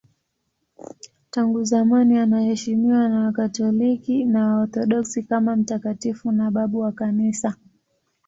Tangu zamani anaheshimiwa na Wakatoliki na Waorthodoksi kama mtakatifu na babu wa Kanisa.